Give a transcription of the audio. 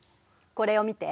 これを見て。